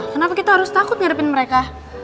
kenapa kita harus takut ngrepin mereka